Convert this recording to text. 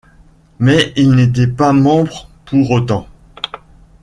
Mais il n'était pas membre pour autant.